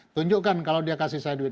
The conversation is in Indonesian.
tunjukkan kalau dia kasih saya duit